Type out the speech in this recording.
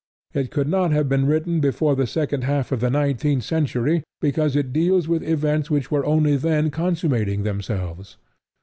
It could not have been written before the second half of the nineteenth century, because it deals with events which were only then consummating themselves.